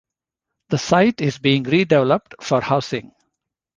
The site is being redeveloped for housing.